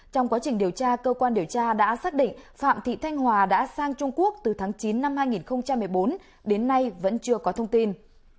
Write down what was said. trong quá trình điều tra cơ quan điều tra đã xác định phạm thị thanh hòa đã sang trung quốc từ tháng chín năm hai nghìn một mươi bốn đến nay vẫn chưa có thông tin